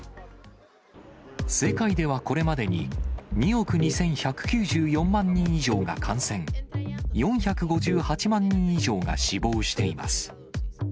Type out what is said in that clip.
世界ではこれまでに、２億２１９４万人以上が感染、４５８万人以上が死亡しています。